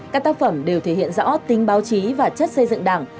các tác phẩm đều thể hiện rõ tính báo chí và chất xây dựng đảng